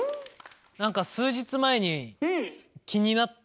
なんか数日前に気になって。